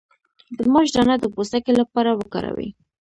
د ماش دانه د پوستکي لپاره وکاروئ